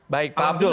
baik pak abdul